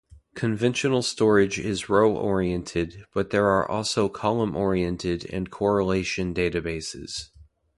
Conventional storage is row-oriented, but there are also column-oriented and correlation databases.